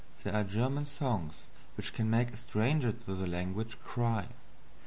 There are German songs which can make a stranger to the language cry.